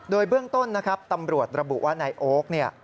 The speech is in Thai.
โดยเบื้องต้นนะครับตำรวจระบุว่านายโอ๊คเนี่ย